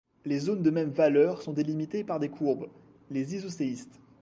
Les zones de même valeur sont délimitées par des courbes, les isoséistes.